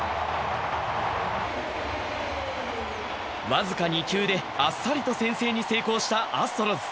僅か２球で、あっさりと先制に成功したアストロズ。